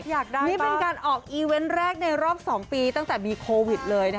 อยากได้นี่เป็นการออกอีเวนต์แรกในรอบ๒ปีตั้งแต่มีโควิดเลยนะคะ